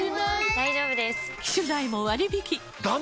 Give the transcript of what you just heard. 大丈夫です！